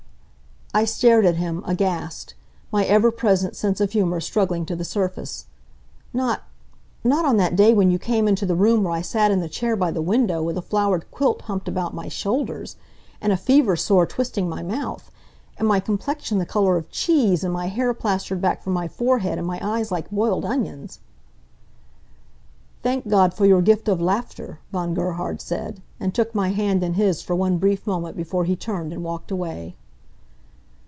I stared at him, aghast, my ever present sense of humor struggling to the surface. "Not not on that day when you came into the room where I sat in the chair by the window, with a flowered quilt humped about my shoulders! And a fever sore twisting my mouth! And my complexion the color of cheese, and my hair plastered back from my forehead, and my eyes like boiled onions!" "Thank God for your gift of laughter," Von Gerhard said, and took my hand in his for one brief moment before he turned and walked away.